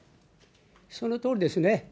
そのとおりですね。